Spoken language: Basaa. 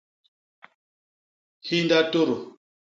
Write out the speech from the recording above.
Hinda tôdô.